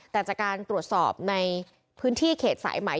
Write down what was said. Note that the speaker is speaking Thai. แต่จากการตรวจสอบในพื้นที่เขตสายไหม